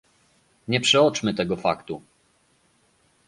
Nie przeoczmy tego faktu